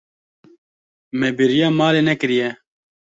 Me bêriya malê nekiriye.